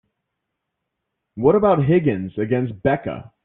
What about Higgins against Becca?